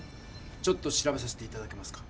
ちょっと調べさせていただけますか？